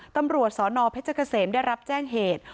ตำรวจสนเพชรเกษมได้รับแจ้งเหตุ